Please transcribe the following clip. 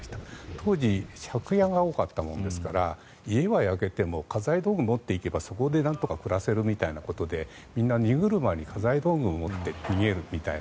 当時借家が多かったものですから家が焼けても家財道具を持っていけばそこでなんとか暮らせるみたいなことでみんな荷車に家財道具を持って逃げるみたいな。